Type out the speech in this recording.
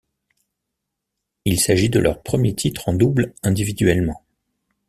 Il s'agit de leur premier titre en double individuellement.